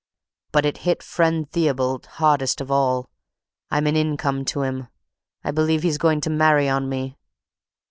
But it hit friend Theobald hardest of all. I'm an income to him. I believe he's going to marry on me."